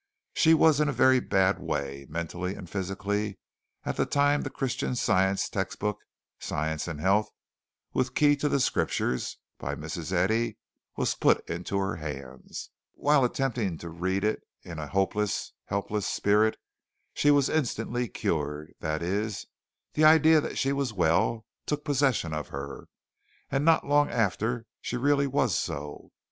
She was in a very bad way mentally and physically at the time the Christian Science textbook, "Science and Health, with Key to the Scriptures," by Mrs. Eddy, was put into her hands. While attempting to read it in a hopeless, helpless spirit, she was instantly cured that is, the idea that she was well took possession of her, and not long after she really was so.